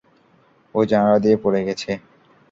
ও জানালা দিয়ে পড়ে গেছে!